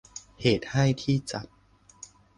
เหตุให้ที่จัด